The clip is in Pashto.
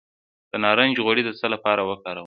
د نارنج غوړي د څه لپاره وکاروم؟